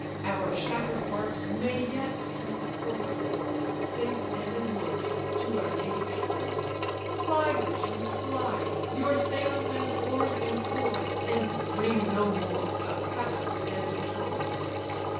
Our shatter'd barks may yet transport us o'er, Safe and inglorious, to our native shore. Fly, Grecians, fly, your sails and oars employ, And dream no more of heaven defended Troy."